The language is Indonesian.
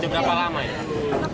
berapa lama ya